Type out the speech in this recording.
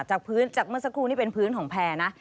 ใช่ค่ะจากเมื่อสักครู่นี่เป็นพื้นของแผ่นะ